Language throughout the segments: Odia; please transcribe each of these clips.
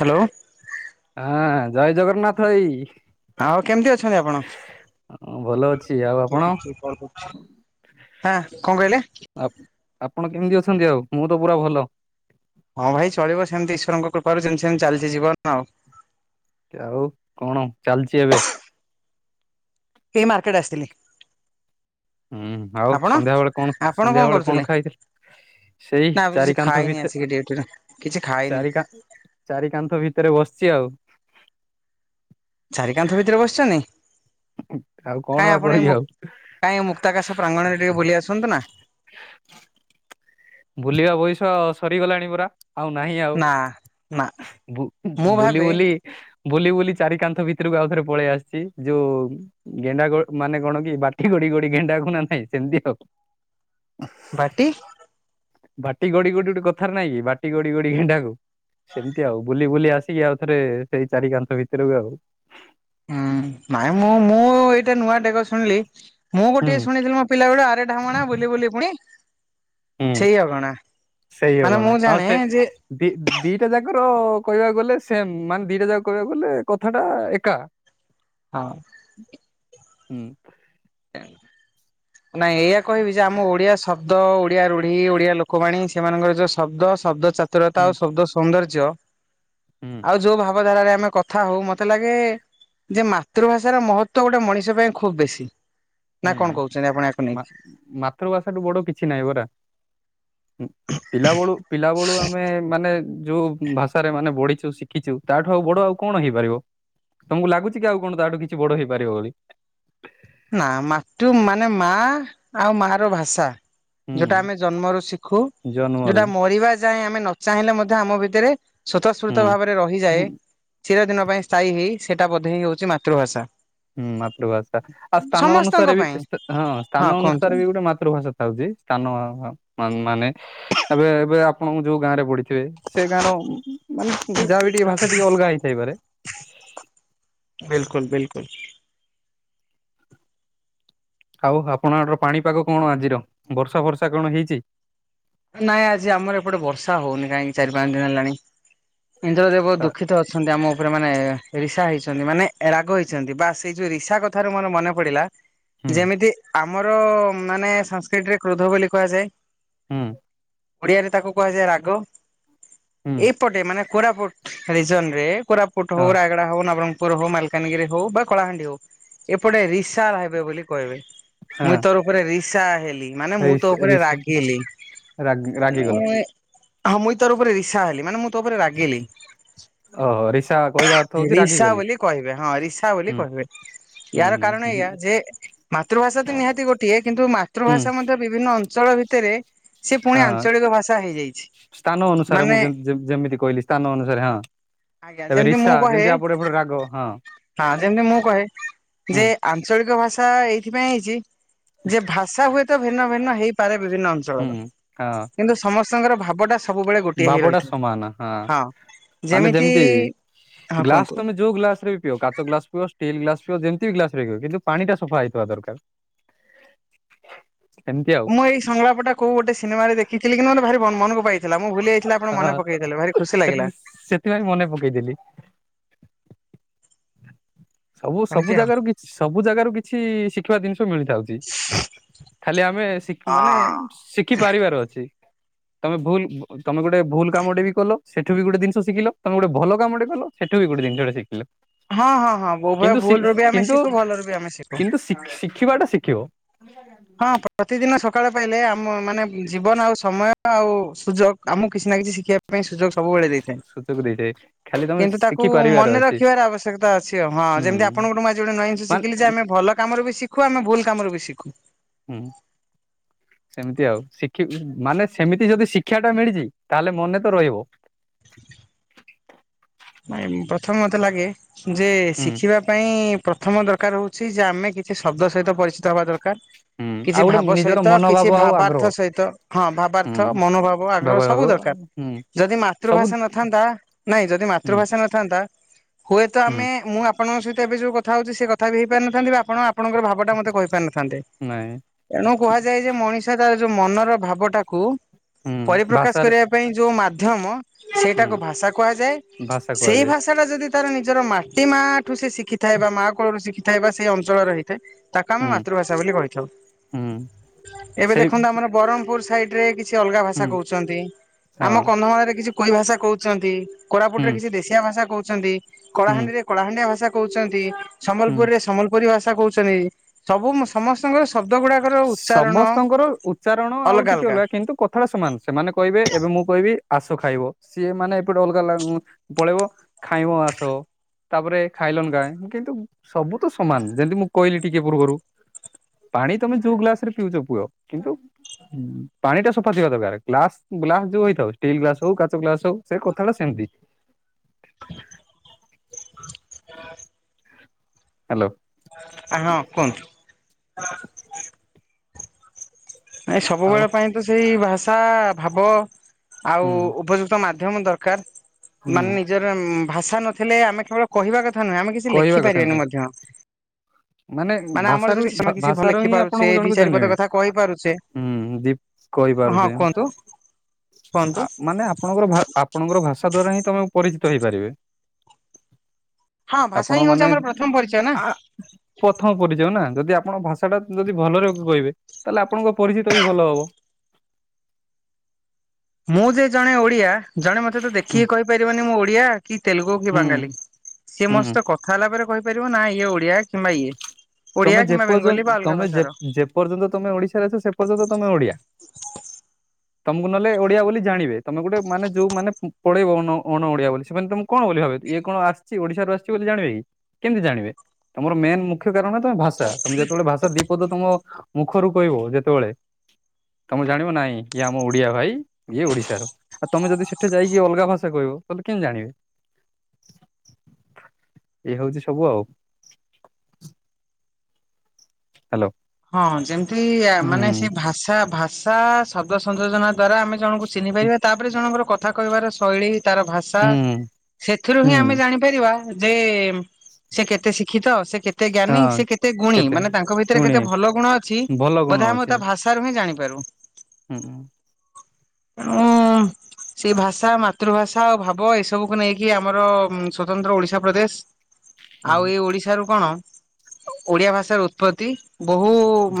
ହାଲୋ। ହଁ ଜୟ ଜଗନ୍ନାଥ ଭାଇ। ଆଉ କେମତି ଅଛନ୍ତି ଆପଣ? ଆ ମୁଁ ଭଲ ଅଛି। ଆଉ କିଏ ଆପଣ? ଟିକେ କଲ କରୁଛି ଆଁ କଣ କହିଲେ? ଆପଣ କେମିତି ଅଛନ୍ତି ଆଉ ମୁଁ ତ ପୁରା ଭଲ। ହଁ ଭାଇ ଚଳିବ ସେମତି ଈଶ୍ୱରଙ୍କ କୃପାରୁ ଯେମତି ସେମତି ଚାଲିଛି ଜୀବନ ଆଉ। ଆଉ କଣ ଚାଲଚି ଏବେ? ଏଇ ମାର୍କେଟ ଆସଥିଲି। ହୁଁ ଆଉ ସନ୍ଧ୍ୟା ବେଳେ କଣ ଆପଣ ସନ୍ଧ୍ୟା ବେଳେ କଣ କରୁଥିଲେ? ଖାଇଥିଲେ? ସେଇ ନା କିଛି ଚାରିିକାନ୍ଥ ଖାଇନି ଆସିକି ଭିତରେ ଡ୍ୟୁଟିରୁ। କିଛି ଖାଇନି ଚାରି କା ଚାରି କାନ୍ଥ ଭିତରେ ବସିଚି ଆଉ। ଚାରି କାନ୍ଥ ଭିତରେ ବସିଚନ୍ତି? ଆଉ କଣ କାଇଁ ବା ଆପଣ ଏ କରିବି ମୁ ଆଉ କାଇଁ ଏ ମୁକ୍ତ ଆକାଶ ପ୍ରାଙ୍ଗଣରେ ଟିକେ ବୁଲି ଆସନ୍ତୁ ନା। ବୁଲିବା ବୟସ ସରିଗଲାଣି ପରା। ଆଉ ନାହିଁ ଆଉ ନା ନା ମୁଁ ବୁ-ବୁଲି ଭାବେ ବୁଲି ବୁଲି ବୁଲି ଚାରି କାନ୍ଥ ଭିତରକୁ ଆଉ ଥରେ ପଳେଇ ଆସଚି ଯୋଉ ଗେଣ୍ଡା ଗୋ ମାନେ କଣ କି ବାଟି ଗୋଡି ଗୋଡି ଗେଣ୍ଡା କୁ ନା ନାହିଁ ସେମିତି ଆଉ। ବାଟି ବାଟି ଗଡି ଗଡି ଗୋଟେ କଥାରେ ନାଇଁ କି ବାଟି ଗଡି ଗଡି ଗେଣ୍ଡାକୁ ସେମିତି ଆଉ ବୁଲି ବୁଲି ଆସ କି ଆଉ ଥରେ ସେଇ ଚାରି କାନ୍ଥ ଭିତରୁକୁ ଆଉ। ହୁଁ ନାଇଁ ମୁଁ ମୁଁ ଏଇଟା ନୂଆ ଡେଗ ଶୁଣିଲି ମୁଁ ହୁଁ ଗୋଟେ ଶୁଣିଥିଲି ମୋ ପିଲା ବେଳୁ ଆରେ ଢାମଣା ବୁଲି ବୁଲି ପୁଣି ହୁଁ। ସେଇ ଅଗଣା। ମାନେ ମୁଁ ଜାଣେ ଯେ ଦି-ଦିଟା ଯାକ ର କହିବାକୁ ଗଲେ ସେମ୍ ମାନେ ଦିଟା ଯାକ କହିବାକୁ ଗଲେ କଥାଟା ଏକା। ହଁ। ହୁଁ। ଏ ନାଇଁ ଏଇଆ କହିବି ଯେ ଆମ ଓଡ଼ିଆ ଶ ବ୍ଦ ଓଡ଼ିଆ ରୁଢି ଓଡ଼ିଆ ଲୋକବାଣୀ ସେମାନଙ୍କର ଯୋଉ ଶବ୍ଦ ଶବ୍ଦ ଚାତୁରତା ହୁଁ ଆଉ ଶବ୍ଦ ସୌନ୍ଦର୍ଯ୍ୟ ହୁଁ ଆଉ ଯୋଉ ଭା ବ ଧାରାରେ ଆମେ କଥା ହଉ ମତେ ଲାଗେ ଯେ ମାତୃଭାଷାର ମହତ୍ଵ ଗୋଟେ ମଣିଷ ପାଇଁ ଖୁବ ବେଶୀ ନା କଣ ହୁଁ କହୁଚନ୍ତି ଆପଣ ୟାକୁ ମା ନେଇକି? ମାତୃଭାଷାଠୁ ବଡ କିଛି ନାଇଁ ପରା। ହୁଁ ପିଲାବଳୁ ପିଲାବଳୁ ଆମେ ମାନେ ଯୋଉ ଉଁ ଭାଷ୍ ଷା ରେ ମାନେ ବଢିଚୁ ଶିଖିଚୁ ତା ଠୁ ଆଉ ବଡ ଆଉ କଣ ହେଇପାରିବ? ତମୁକୁ ଲାଗୁଚି କି ଆଉ କଣ ତା ଠୁ କିଛି ବଡ ହେଇପାରିବ ବୋଲି? ନା ମାତୃ ମାନେ ମାଆ ଆଉ ମାଆର ଭାଷା ଯୋଉଟା ହୁଁ ଆମେ ଜନ୍ମରୁ ଶିଖୁ ଜନ୍ମରୁ ଯୋଉଟା ମରିବା ଯାଏ ଆମେ ନ ଚାହିଁଲେ ମଧ୍ୟ ଆମ ଭିତରେ ସ୍ଵତସ୍ପୁର୍ତ ହୁଁ। ଭାବେରେ ହୁଁ, ରହିଯାଏ ଚିରଦିନ ପାଇଁ ସ୍ଥାୟୀ ହେଇ ସେଇଟା ବୋଧେ ହିଁ ହଉଚି ମାତୃଭାଷା। ହୁଁ ମାତୃଭାଷା ଆଉ ସ୍ଥାନ ସମସ୍ତଙ୍କ ଅନୁସାରେ ବି ପାଇଁ ସ୍ତ ହଁ ସ୍ଥାନ ଅନୁସାରେ ବି ଗୋଟେ ମାତୃଭାଷା ହଉଚି ସ୍ଥାନ ଅ ମନ୍ ମାନେ ଏବେ ଏବେ ଆପଣ ଯୋଉ ଗାଁ ରେ ବଢିଥିବେ ସେ ଗାଁ ର ଉ ମାନେ ଯାହା ବି ଟିକେ ଭାଷା ଟିକେ ଅଲଗା ହେଇ ଥାଇ ପାରେ। ବିଲକୁଲ ବିଲକୁଲ୍। ଆଉ ଆପଣଙ୍କ ଆଡର ପାଣିପାଗ କଣ ଆଜିର ବର୍ଷା ଫର୍ଷା କଣ ହେଇଚି? ନାଇଁ ଆଜି ଆମର ଏପଟେ ବର୍ଷା ହଉନି କାହିଁକି ଚାରି ପାଞ୍ଚ ଦିନି ହେଲାଣି। ଇନ୍ଦ୍ର ଦେବ ବହୁତ ଦୁଃଖିତ ଅଛନ୍ତି ଆମ ଉପରେ ମାନେ ରିସା ହେଇଚନ୍ତି ମାନେ ରାଗ ହେଇଛନ୍ତି ବା ସେଇ ଯୋଉ ରିସା କଥାରୁ ମୋର ମନେ ପଡିଲା। ହୁଁ ଯେମିତି ଆମର ମାନେ ସାଂସ୍କ୍ରିଟ ରେ କ୍ରୋଧ ବୋଲି କୁହାଯାଏ। ହୁଁ ଓଡ଼ିଆ ରେ ତାକୁ କୁହାଯାଏ ରାଗ। ହୁଁ ଏଇପଟେ ମାନେ କୋରାପୁଟ ରିଜନ ରେ କୋରାପୁଟ ହଉ ହଁ ରାୟଗଡା ହଉ ନବରଙ୍ଗ ପୁର ହଉ ମାଲକାନଗିରି ହଉ ବା କଳାହାଣ୍ଡି ହଉ ଏପଟେ ରିସା ର ହେବେ ବୋଲି କହିବେ। ହଁ ମୁଇଁ ତୋର ଉପରେ ରିସା ହେଲି ମାନେ ମୁଁ ତୋ ଉପରେ ରାଗିଲି। ରାଗ୍ ରାଗି ଗଲ। ହଁ ମୁଇଁ ତୋର ଉପରେ ରିସା ହେଲି ମାନେ ମୁଁ ତୋ ଉପରେ ରାଗିଲି। ଓହୋ ରିସା କହିବା ଅର୍ଥ ହଉଛି ରିସା ରାଗିଗଲି ବୋଲି କହିବେ ହଁ ରିସା ବୋଲି ହୁଁ କହିବେ। ହୁଁ ୟାର କାରଣ ହୁଁ ଜି ଏଇଆ ଯେ ମାତୃଭାଷା ତ ନିହାତି ଗୋଟିଏ କିନ୍ତୁ ହୁଁ ମାତୃଭାଷା ମଧ୍ୟ ବିଭିନ୍ନ ଅଞ୍ଚଳ ଭିତରେ ସେ ପୁଣି ହଁ ଆଞ୍ଚଳିକ ଭାଷା ହେଇଯାଇଛି ସ୍ଥାନ ଅନୁସାରେ ମାନେ ମୁଁ ଯେ ଯେମିତି କହିଲି ସ୍ଥାନ ଅନୁସାରେ ହଁ। ଆଜ୍ଞା ଏବେ ଯେମିତି ରିସା ମୁଁ କହେ ଯେମିତି ଆପଟେ ଏପଟେ ରାଗ ହଁ ହଁ ଯେମିତି ମୁଁ କହେ ହୁଁ ଯେ ଆଞ୍ଚଳିକ ଭାଷା ଏଇଥିପାଇଁ ହେଇଛି ଯେ ଭାଷା ହୁଏତ ଭିନ୍ନ ଭିନ୍ନ ହେଇପାରେ ବିଭିନ୍ନ ହୁଁ ଅଞ୍ଚଳର ହଁ କିନ୍ତୁ ସମସ୍ତଙ୍କର ଭାବଟା ସବୁବେଳେ ଗୋଟିଏ ହେଇ ଭାବଟା ରହିଥାଏ। ସମାନ ହଁ ହଁ ଯେମିତି ହଁ ଗ୍ଲାସ କୁହନ୍ତୁ? ତମେ ଯୋଉ ଗ୍ଲାସରେ ବି ପିଅ କାଚ ଗ୍ଲାସ ପିଅ ଷ୍ଟିଲ୍ ଗ୍ଲାସ ପିଅ ଯେମତି ବି ଗ୍ଲାସରେ ପିଅ କିନ୍ତୁ ପାଣି ଟା ସଫା ହେଇଥିବା ଦରକାର। ଏମିତି ଆଉ। ସଂଗଳାପଟା କୋଉ ଗୋଟେ ସିନେମାରେ ଦେଖିଥିଲି କିନ୍ତୁ ମତେ ଭାରି ମନକୁ ପାଇ ଥିଲା ମୁଁ ଭୁଲି ଯାଇଥିଲି ଆପଣ ମନ ହଁ ପକେଇଦେଲେ ଭାରି ଖୁସି ସେଥି ଲାଗିଲା। ସେଥିପାଇଁ ମନେ ପକେଇଦେଲି। ସବୁ ଏମିତି ସବୁ ଆଉ। ଜାଗାରୁ କିଛ୍ ସବୁ ଜାଗାରୁ କିଛି ଶିଖିବା ଜିନିଷ ମିଳି ଥାଉଛି। ଖାଲି ଆମେ ମାନେ ଶିଖି ପାରିବାର ଅଛି। ତମେ ଭୁଲ ତମେ ଗୋଟେ ଭୁଲ କାମଟେ ବି କଲ ସେଠୁ ବି ଗୋଟେ ଜିନି ଶିଖିଲ ତମେ ଗୋଟେ ଭଲ କାମଟେ କଲ ସେଠୁ ବି ଗୋଟେ ଜିନିଷଟେ ଶିଖିଲ। ହଁ ହଁ ହଁ ଉଭୟ କିନ୍ତୁ ଭୁଲରୁୁ ବି ଆମେ ଶିଖୁ ଭଲରୁ ବି ଆମେ ଶିଖୁ। ସିଖ୍ ସିଖ୍ ଶଖିବା ଟା ଶଖିବ। ହଁ ପ୍ରତିଦିନ ସକାଳେ ପାଇଲେ ଆମ ମାନେ ଜୀବନ ଆଉ ସମୟ ଆଉ ସୁଯୋଗ ଆମକୁ କିଛି ନା କିଛି ଶିଖିବା ପାଇଁ ସୁଯୋଗ ସବୁବେଳେ ଦେଇ ସୁଚୋଗ ଦେଇଥାଏ। ଖାଲି ତମ କିନ୍ତୁ ତାକୁ ମନେ ରଖିବାର ଆବଶ୍ୟକତା ଅଛି ହଁ ଯେମିତି ଆପଣଙ୍କଠୁ ମୁ ଆଜି ଗୋଟେ ନୁଆ ଜିନିଷ ମାନେ ଶିଖିଲି ଯେ ଆମେ ଭଲ କାମରୁ ବିି ସିଖ ଖୁ ଆମେ ଭୁଲ କାମରୁ ବି ଶିଖୁ। ହୁଁ ସେମିତି ଆଉ ଶିଖିଚି ମାନେ ସେମିତି ଯଦି ଶିକ୍ଷାଟା ମିଳିଛି ତାହେଲେ ମନେ ତ ରହିବ। ନାଇ ପ୍ରଥମେ ମତେ ଲାଗେ ଯେ ହୁଁ ଶିଖିବା ପାଇଁ ପ୍ରଥମ ଦରକାର ହୋଉଚି ଯେ ଆମେ କିଛି ଶବ୍ଦ ସହିତ ପରିଚିତ ହବା ଦରକାର। ହୁଁ କିଛି ଆଉ ଗୋଟେ ଭାବ ନିଜର ସହିତ କିଛି ମନୋଭାବ ଆଉ ଆଗ୍ରହ ଭାବାର୍ଥ ସହିତ ହଁ ଭାବାର୍ଥ ହୁଁ ମନୋଭାବ ଆଗ୍ରହ ବାବା ବାବ ସବୁ ଦରକାର। ହୁଁ। ଯଦି ସବୁ ମାତୃଭାଷା ନଥାନ୍ତା। ନାଇଁ ଯଦି ହୁଁ ମାତୃଭାଷା ଷା ଟା ନ ଥାନ୍ତା ହୁଏତ ଆମେ ହୁଁ ମୁଁ ଆପଣଙ୍କ ସହିତ ଏବେ ଯୋଉ କଥା ହୋଉଛି ସେ କଥା ବି ହେଇ ପାରିନଥାନ୍ତି। ବା ଆପଣ ଆପ ଆପଣଙ୍କର ଭାବ ଟା ମତେ କହି ପାରିନଥାନ୍ତେ। ନାଇଁ ତେଣୁ କୁହାଯାଏ ଯେ ମଣିଷ ତାର ଯୋଉ ମନର ଭାବଟାକୁ ହୁଁ ପରିପ୍ରକାଶ ଭାଷାରେ କରିବା ପାଇଁ ଯୋଉ ମାଧ୍ୟମ ହୁଁ ସେଇଟାକୁ ଭାଷା କୁହାଯାଏ। ଭାଷା ସେଇ କୁହାଯାଏ ଭାଷା ଷା ଟା ଯଦି ତାର ନିଜର ମାଟି ମା ଠୁ ସେ ଶିଖିଥାଏ ବା ମା କୋଳରୁ ଶିଖିଥାଏ ବା ସେଇ ଅଞ୍ଚଳର ହେଇଥାଏ ତାକୁ ଆମେ ହୁଁ ମାତୃଭାଷା ବୋଲି କହିଥାଉ। ହୁଁ ଏବେ ସେଇ ଦେଖନ୍ତୁ ଆମର ବରହ୍ମପୁର ସାଇଟ ରେ କିଛି ଅଲଗା ଭାଷା ହୁଁ କୋହୁଛନ୍ତି ଆମ ହଁ କନ୍ଧମାଳ ରେ କିଛି କୋଇ ଭାଷା କହୁଛନ୍ତି। କୋରାପୁଟରେ ହୁଁ କିଛି ଦେଶିଆ ଭାଷା କୋହୁଛନ୍ତି। ହୁଁ କଳାହାଣ୍ଡିରେ କଳାହାଣ୍ଡିଆ ଭାଷା କୋହୁଛନ୍ତି। ହୁଁ ସମ୍ବଲପୁରୀରେ ସମ୍ବଲପୁରୀ ଭାଷା କୋହୁଛନ୍ତି। ସବୁ ସମସ୍ତଙ୍କର ଶବ୍ଦ ଗୁଡାକ ସମସ୍ତଙ୍କର ଉଚ୍ଚାରଣ ଆଉ ଟିକେ ଅଲଗା କିନ୍ତୁ କଥାଟା ସମାନ ସେମାନେ କହିବେ ଏବେ ମୁଁ କହିବି ଆସ ଖାଇବ ସିଏ ମାନେ ଏପଟେ ଅଲଗା ପଳେଇବ ଖାଇବ ଆସ। ତାପରେ ଖାଇଲନ ଗାଏ କିନ୍ତୁ ସବୁ ତ ସମାନ ଯେମିତି ମୁଁ କହିଲି ଟିକେ ପୂର୍ବରୁ। ପାଣି ତମେ ଯୋଉ ଗ୍ଲାସ ରେ ପିଉଛ ପିଅ କିନ୍ତୁ ପାଣି ଟା ସଫା ଥିବା ଦରକାର ଗ୍ଲାସ ଗ୍ଲାସ ଯୋଉ ହେଇଥାଉ ଷ୍ଟିଲ୍ ଗ୍ଲାସ ହଉ କାଚ ଗ୍ଲାସ ହଉ ସେ କଥାଟା ସେମିତି। ହ୍ୟାଲୋ। ହଁ କୁହନ୍ତୁ। ନାଇଁ ଆଉ ସବୁବେଳ ପାଇଁ ତ ସେଇ ଭାଷା ଭାବ ହୁଁ ଆଉ ଉପଯୁକ୍ତ ମାଧ୍ୟମ ଦରକାର ହୁଁ ମାନେ ନିଜର ଭାଷା ନଥିଲେ ଆମେ କେବଳ କହିବା କଥା ନୁହେଁ ଆମେ କିଛି କହିବା କଥା ଲେଖିପାରିବାନି ନାଇଁ ମଧ୍ୟ। ମାନେ ଆମର ଭାଷାରୁ ଯଦି ହିଁ ଆମେ କିଛି ଭଲ ଭାଷାରୁ ଲେଖି ହିଁ ଆପଣ ପାରୁଛେ ଦି ଜଣଙ୍କୁ ଚାରି ପଦ ଚିହ୍ନିବେ। କଥା କହିପାରୁଛେ ହୁଁ ଦୀପ ହଁ କହିପାରୁଛେ। କୁହନ୍ତୁ କୁହନ୍ତୁ ମାନେ ଆପଣଙ୍କର ଆପଣଙ୍କର ଭାଷା ଦ୍ଵାରା ହିଁ ତମେ ପରିଚିତ ହେଇପାରିବେ। ହଁ ଭାଷା ଆପଣ ହିଁ ହଉଛି ମାନେ ଆମର ପ୍ରଥମ ପରିଚୟ ନା। ଆ ପ୍ରଥମ ପରିଚୟ ନା ଯଦି ଆପଣ ଭାଷା ଟା ଯଦି ଭଲରେ କହିବେ ତାହେଲେ ଆପଣଙ୍କ ପରିଚିତ ବି ଭଲ ହବ। ମୁଁ ଯେ ଜଣେ ଓଡିଆ ଜଣେ ମତେ ତ ହୁଁ ଦେଖିକି କହିପାରିବନି ମୁଁ ଓଡିଆ। କି ତେଲୁଗୁ କି ହୁଁ ବାଙ୍ଗାଲି ସିଏ ମୋ ହୁଁ ସହିତ କଥା ହେଲା ପରେ କହିପାରିବ ନା ଇଏ ଓଡିଆ କିମ୍ବା ଇଏ। ଓଡିଆ ତମେ କିମ୍ବା ଯେପର୍ଯ୍ୟ ବେଙ୍ଗଲୀ ବା ଅଲଗା ତମେ ଭାଷାର। ଯେପର୍ଯ୍ୟନ୍ତ ତମେ ଓଡିଶାରେ ଅଛ ସେ ପର୍ଯ୍ୟନ୍ତ ତମେ ଓଡିଆ। [inaudible] ତମକୁ ନହଲେ ଓଡିଆ ବୋଲି ଜାଣିବେ ତମେ ଗୋଟେ ମାନେ ଯୋଉ ମାନେ ପଳେଇବ ଅଣ ଓଡିଆ ବୋଲି ସେମାନେ ତମକୁ କଣ ବୋଲି ଭାବେ ଇଏ କଣ ଆସିଛି ଓଡିଶାରୁ ଆସିଛି ବୋଲି ଜାଣିବେ କି କେମିତି ଜାଣିବେ ତମର ମେନ୍ ମୁଖ୍ୟ କାରଣ ତମେ ଭାଷା ତମେ ଯେତେବେଳେ ଭାଷା ଦିପଦ ତମ ମୁଖରୁ କହିବ ଯେତେବେଳେ ତମେ ଜାଣିବ ନାଇଁ ଇଏ ଆମ ଓଡିଆ ଭାଇ ଇଏ ଓଡିଶାର। ଆଉ ତମେ ଯଦି ସେଠି ଯାଇକି ଅଲଗା ଭାଷା କହିବ ତାହେଲେ କେମତି ଜାଣିବେ। ଏଇ ହଉଛି ସବୁ ଆଉ। ହ୍ୟାଲୋ। ହଁ ଯେମିତି ମାନେ ସେ ହୁଁ ଭାଷା ଭାଷା ଶବ୍ଦ ସଂଯୋଜନା ଦ୍ଵାରା ଆମେ ଜଣକୁ ଚିହ୍ନି ପାରିବା ତାପରେ ଜଣଙ୍କର କଥା କହିବାର ଶୈଳୀ ତାର ଭାଷା ତା ହୁଁ ସେଥିରୁ ହୁଁ ହିଁ ଆମେ ଜାଣିପାରିବା ଯେ ସେ କେତେ ଶିକ୍ଷିତ ସେ କେତେ ଜ୍ଞାନୀ ସେ ହଁ କେତେ ଗୁଣୀ ମାନେ ତାଙ୍କ ଭିତରେ କେତେ ଭଲ ଗୁଣ ଅଛି ଭଲ ଗୁଣ ବୋଧେ ମୁଁ ଅଛି ତା ଭାଷା ରୁ ହିଁ ଜାଣିପାରୁ। ହୁଁ। ହଁ। ସେଇ ଭାଷା ମାତୃଭାଷା ଆଉ ଭାବ ଏ ସବୁକୁ ନେଇକି ଆମର ସ୍ଵତନ୍ତ୍ର ଓଡିଶା ପ୍ରଦେଶ। ହୁଁ। ଆଉ ଏଇ ଓଡିଶାରୁ କଣ ଓଡିଆ ଭାଷାର ଉତ୍ପତ୍ତି। ବହୁ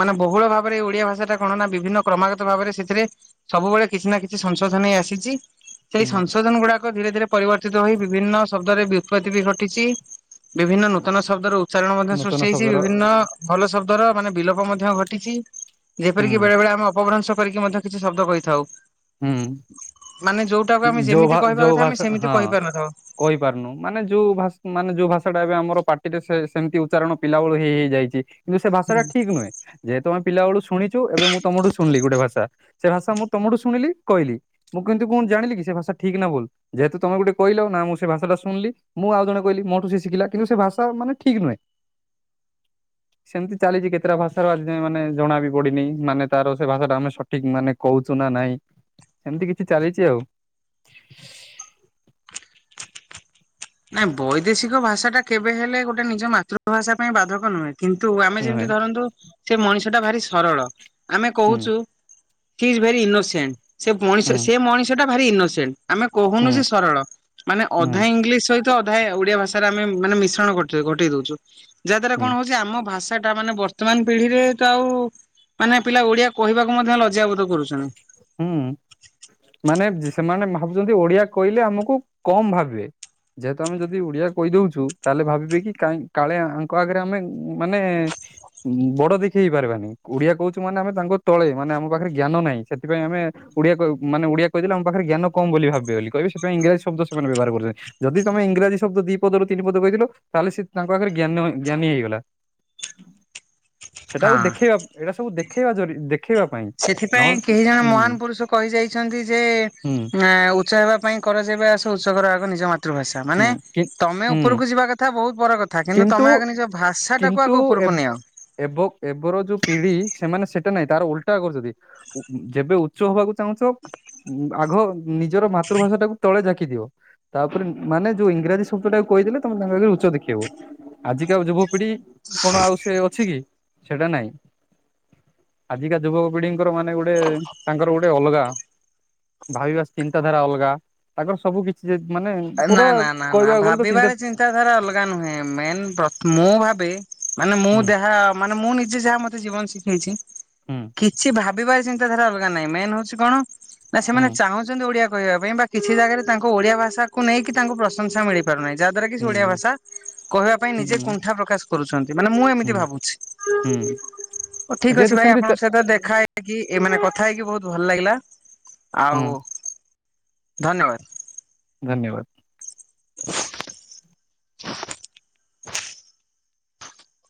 ମାନେ ବହୁଳ ଭାବରେ ଏଇ ଓଡିଆ ଭାଷାଟା ଗଣନା ବିଭିନ୍ନ କ୍ରମାଗତ ଭାବରେ ସେଥିରେ ସବୁବେଳେ କିଛି ନା କିଛି ସଂଶୋଧନ ହେଇ ଆସିଛି ସେଇ ସନ୍ ହୁଁ ସଂଶୋଧନ ଗୁଡାକ ଧୀରେ ଧୀରେ ପରିବର୍ତ୍ତିତ ହୋଇ ବିଭିନ୍ନ ଶବ୍ଦରେ ବିତ୍ପତ୍ତି ବି ଘଟିଛି। ବିଭିନ୍ନ ନୂତନ ଶବ୍ଦର ଉ ଚାରଣ ମଧ୍ୟ ସୃଷ୍ଟି ନୂତନ ହେଇଛି ଶବ୍ଦର ବିଭିନ୍ନ ଭଲ ଶବ୍ଦର ମାନେ ବିଲୋପ ମଧ୍ୟ ଘଟିଛି। ହୁଁ ଯେପରିକି ବେଳେ ବେଳେ ଆମେ ଅପଭ୍ରଂଶ କରିକି ମଧ୍ୟ କିଛି ଶବ୍ଦ କହିଥାଉ। ହୁଁ ମାନେ ଯୋଉଟାକୁ ଆମେ ଯୋଉ ଭା ଯେମିତି କହିବା ଯୋଉ କଥା ଆମେ ଭାଷା ସେମିତି ହଁ କହିପାରିନଥାଉ। କହିପାରୁନୁ ମାନେ ଯୋଉା ମାନେ ଯୋଉ ଭାଷାଟା ଏବେ ଆମର ପାଟିରେ ସେ ସେମିତି ଉଚ୍ଚାରଣ ପିଲାବେଳୁ ହେଇ ହେଇଯାଇଛି। କିନ୍ତୁ ସେ ଭାଷାଟା ଠିକ୍ ନୁହେଁ। ଯେହେତୁ ଆମେ ପିଲା ବେଳୁ ଶୁଣିଚୁ ଏବେ ମୁଁ ତମଠୁ ଶୁଣିଲି ଗୋଟେ ଭାଷା ସେ ଭାଷା ମୁଁ ତମଠୁ ଶୁଣିଲି କହିଲି। ମୁଁ କିନ୍ତୁ କଣ ଜାଣିଲି କି ସେ ଭାଷା ଠିକ୍ ନା ଭୁଲ୍। ଯେହେତୁ ତମେ ଗୋଟେ କହିଲ ନା ମୁଁ ସେ ଭାଷାଟା ଶୁଣୁଲି ମୁଁ ଆଉ ଜଣକୁ କହିଲି ମୋଠୁ ସେ ଶିଖିଲା କିନ୍ତୁ ସେ ଭାଷା ମାନେ ଠିକ୍ ନୁହେଁ। [unintelligible] ସେମ୍ତି ଚାଲିଚି କେତେଟା ଭାଷାର ଆଜି ଯାଇଁ ମାନେ ଜଣାବି ପଡନି ମାନେ ତାର ସେ ଭାଷାଟା ଆମେ ସଠିକ୍ ମାନେ କହୁଚୁ ନା ନାଇଁ ସେମ୍ତି କିଛି ଚାଲିଚି ଆଉ। ନାଇଁ ବୈଦେଶିକ ଭାଷା ଟା କେବେ ହେଲେ ଗୋଟେ ନିଜ ମାତୃଭାଷା ପାଇଁ ବାଧକ ନୁହେଁ। କିନ୍ତୁ ଆମେ ଯେମ୍ତି ନୁହେଁ ଧରନ୍ତୁ ସେ ମଣିଷ ଟା ଭାରି ସରଳ ଆମେ ହୁଁ କହୁଚୁ [unintelligible] ଭେରି [unintelligible] ସେ ମଣିଷ ହୁଁ ସେ ମଣିଷଟା ଭାରି [unintelligible] ଆମେ କହୁନୁ ହୁଁ ଯେ ସରଳ। ମାନେ ହୁଁ ଅଧା ଇଂଲିଶି ସହିତ ଅଧା ଓଡିଆ ଭାଷାରେ ଆମେ ମାନେ ମିଶ୍ରଣ କରୁଚେ ଘଟେଇ ଦଉଚୁ। ଯାହା ଦ୍ୱାରା ହୁଁ କଣ ହଉଚି ଆମ ଭାଷାଟା ମାନେ [unintelligible] ବର୍ତ୍ତମାନ୍ ପିଢିରେ ତ ଆଉ ମାନେ ପିଲା ଓଡିଆ କହିବାକୁ ମଧ୍ୟ ଲଜ୍ୟା ବୋଧ କରୁଚନ୍ତି। ହୁଁ ମାନେ [unintelligible] ସେମାନେ ଭାବୁଚନ୍ତି ଓଡିଆ କହିଲେ ଆମକୁ କମ୍ ଭାବିବେ। ଯେହେତୁ ଆମେ ଯଦି ଓଡିଆ କହିଦଉଚୁ ତାହେଲେ ଭାବିବେ କି କାହିଁ କାଳେ ଆଙ୍କ ଆଗରେ ଆମେ ମାନେ ବଡ ଦେଖି ହେଇ ପାରିବାନି ଓଡିଆ କହୁଚୁ ମାନେ ଆମେ ତାଙ୍କ ତଳେ ମାନେ ଆମ ପାଖରେ ଜ୍ଞାନ ନାହିଁ। ସେଥିପାଇଁ ଆମେ ଓଡିଆ [unintelligible] ମାନେ ଓଡ଼ିଆ କହିଦେଲେ ଆମ ପାଖରେ ଜ୍ଞାନ କମ୍ ବୋଲି ଭାବିବେ ବୋଲି କହିବେ ସେଥିପାଇଁ ଇଂରାଜୀ ଶବ୍ଦ ସେମାନେ ବ୍ୟବହାର [unintelligible] ଯଦି ତମେ ଇଂରାଜୀ ଶବ୍ଦ ଦି ପଦରୁ ତିନି ପଦ [unintelligible] ତାହେଲେ ସେ ତାଙ୍କ ଆଗରେ ଜ୍ଞାନ ଜ୍ଞାନୀ ହେଇଗଲା। ସେଟାକୁ ହଁ ଦେଖେଇବା ଏଇଟା ସବୁ ଦେଖେଇବା-ଦେଖେଇବା ପାଇଁ। ସେଥିପାଇଁ ନହେଲେ କେହି ଜଣେ ହୁଁ ମହାନ୍ ପୁରୁଷ କହି ଯାଇଛନ୍ତି ଯେ ହୁଁ ଉଚ୍ଚା ହେବା ପାଇଁ କର ଯେବେ ଆଶା ଉଚ୍ଚ କର ଆଗ ନିଜ ମାତୃଭାଷା ମାନେ ହୁଁ ତମେ ହୁଁ ଉପରୁକୁ ଯିବା [unintelligible] ବହୁତ୍ ପର କଥା କିନ୍ତୁ ତୁମେ ଆଗ ନିଜ ଭାଷାଟାକୁ ଆଗ ଉପରୁକୁ ନିଅ। ଏଵ ଏବେର ଯୋଉ ପିଢି ସେମାନେ ସେଟା ନାହିଁ ତାର ଉଲଟା କରୁଚନ୍ତି। ଯେବେ ଉଚ୍ଚ ହବାକୁ ଚାହୁଁଚ ଆଗ ନିଜର ମାତୃଭାଷା ଟାକୁ ତଳେ ଜାକି ଦିଅ। ତାପରେ ମାନେ ଯୋଉ ଇଂରାଜୀ ଶବ୍ଦଟା କହିଦେଲେ ତମେ ଆଗରେ ଉଚ୍ଚ [unintelligible] ଆଜିକା ଯୁବପିଢି କଣ ଆଉ ସେ ଅଛି କି ସେଇଟା ନାଇଁ। ଆଜିକା ଯୁବ ପିଢିଙ୍କର ମାନେ ଗୋଟେ ତାଙ୍କର ଗୋଟେ ଅଲଗା। ଭାବିବା ଚିନ୍ତାଧାରା ଅଲଗା ତାଙ୍କର ସବୁ କିଛି [unintelligible] ମାନେ ପୁରା କହିବାକୁ ଗଲେ ତ ଚିନ୍ତା ଚିନ୍ତା ଧାରା ଅଲଗା ନୁହେଁ ମେନ୍ [unintelligible] ମୁଁ ଭାବେ ମାନେ ମୁଁ ହୁଁ ଦେହା ମାନେ ମୁଁ ନିଜେ ଯାହା ମତେ ଜୀବନ ହୁଁ ଶିଖେଇଚି ଭାବିବାର ଚିନ୍ତାଧାରା ଅଲଗା ନାହିଁ ମେନ୍ ହଉଚି କଣ ନା ହୁଁ ସେମାନେ ଚାହୁଁ ଚନ୍ତି ଓଡ଼ିଆ କହିବା ପାଇଁ ବା କିଛି ଜାଗାରେ ତାଙ୍କ ଓଡିଆ ଭାଷାକୁ ନେଇକି ତାଙ୍କୁ ପ୍ରଶଂସା [unintelligible] [unintelligible] ଯାହାଦ୍ୱାରା କି ସେ ଓଡ଼ିଆ ହୁଁ ଭାଷା କହିବା ପାଇଁ ନିଜେ ହୁଁ କୁଣ୍ଠା ପ୍ରକାଶ କରୁଚନ୍ତି ମାନେ ମୁଁ ହୁଁ ଏମିତି ଭାବୁଚି। ହୁଁ ଓ ଠିକ୍ ଅଛି ଯେହେତୁ ଭାଇ ସେମିତି ଚା ଆପଣଙ୍କ ସହିତ ଦେଖା ହେଇ [unintelligible] ଏ ମାନେ କଥା ହେଇକି ବହୁତ୍ ଭଲ ଲାଗିଲା ହୁଁ ଆଉ ଧନ୍ୟବାଦ। ଧନ୍ୟବାଦ୍।